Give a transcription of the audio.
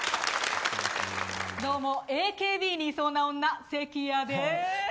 どうもＡＫＢにいそうな女関谷です。